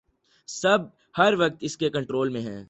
سب ہر وقت اسی کے کنٹرول میں ہیں